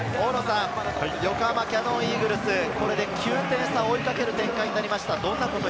横浜キヤノンイーグルス、これで９点差を追いかける展開になりますか？